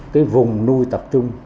cái vùng nuôi tập trung